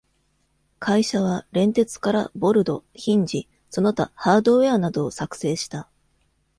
会社は、錬鉄からボルド、ヒンジ、その他ハードウェアなどを作製した。